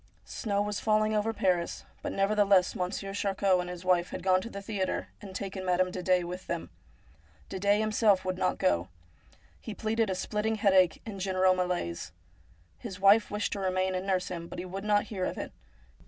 Snow was falling over Paris, but 300 STORIES WEIRD AND WONDERFUL nevertheless Monsieur Charcot and his wife had gone to the theatre and taken Madame Didet with them. Didet himself would not go. He pleaded a splitting headache and general malaise. His wife wished to remain and nurse him, but he would not hear of it.